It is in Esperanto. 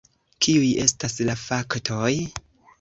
Kiuj estas la faktoj?